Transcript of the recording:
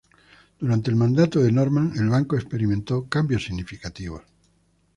Durante el mandato de Norman, el banco experimentó cambios significativos.